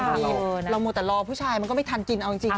เรามัวแต่รอผู้ชายมันก็ไม่ทันกินเอาจริง